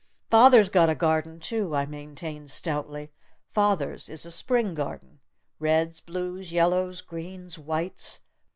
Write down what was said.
"Father's got a garden, too!" I maintained stoutly. "Father's is a Spring garden! Reds, blues, yellows, greens, whites!